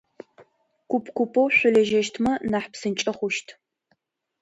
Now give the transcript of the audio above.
Куп-купэу шъулэжьэщтмэ нахь псынкӏэ хъущт.